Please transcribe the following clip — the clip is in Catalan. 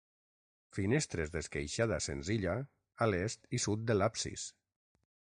Finestres d'esqueixada senzilla a l'est i sud de l'absis.